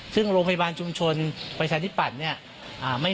สุณาภูทิตย์และนัก